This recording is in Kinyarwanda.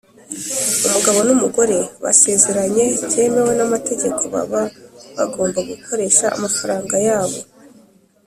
umugabo n’umugore basezeranye byemewe n’amategeko baba bagomba gukoresha amafaranga yabo,